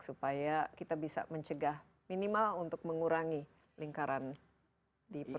supaya kita bisa mencegah minimal untuk mengurangi lingkaran